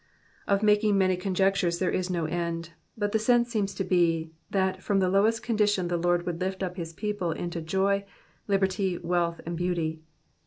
Of making many conjectures there is no end ; but the sense seems to be, that from the lowest condition the Lord would lift up his people into joy, liberty, wealth, and beauty.